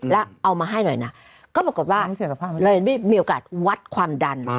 แล้วเอามาให้หน่อยนะก็ปรากฏว่าเลยไม่มีโอกาสวัดความดัน